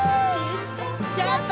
やった！